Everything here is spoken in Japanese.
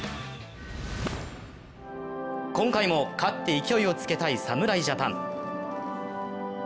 今回も勝って勢いをつけたい侍ジャパン。